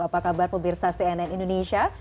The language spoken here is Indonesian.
apa kabar pemirsa cnn indonesia